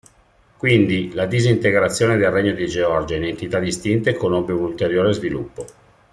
Quindi la disintegrazione del Regno di Georgia in entità distinte conobbe un ulteriore sviluppo.